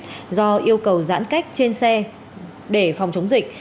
nhiều hành khách phải đón được xe buýt do yêu cầu giãn cách trên xe để phòng chống dịch